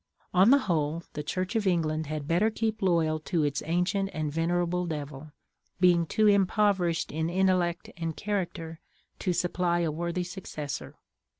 On the whole, the Church of England had better keep loyal to its ancient and venerable Devil, being too impoverished in intellect and character to supply a worthy successor.